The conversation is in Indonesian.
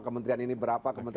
kementerian ini berapa